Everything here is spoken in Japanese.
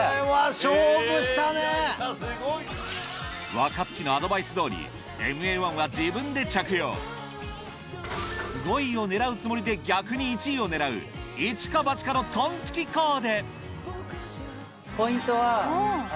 若槻のアドバイス通りＭＡ−１は自分で着用５位を狙うつもりで逆に１位を狙うイチかバチかのとんちきコーデあ！